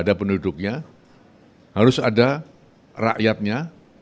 ada penduduknya harus ada rakyatnya